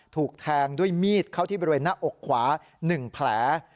ถูกแทงด้วยมีดเข้าที่บริเวณหน้าอกขวา๑แผล